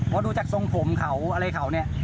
ว่ารู้จักทรงผมเขาอะไรเขา